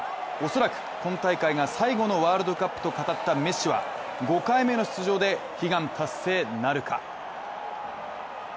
恐らく、今大会が最後のワールドカップとかかったメッシは５回目の出場で悲願達成なるか。